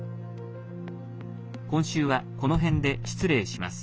今週は、この辺で失礼します。